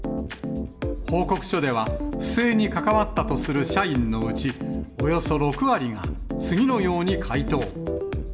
報告書では、不正に関わったとする社員のうち、およそ６割が次のように回答。